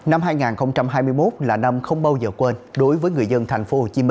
năm hai nghìn hai mươi một là năm không bao giờ quên đối với người dân tp hcm